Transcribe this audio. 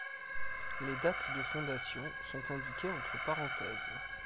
Les dates de fondation sont indiquées entre parenthèses.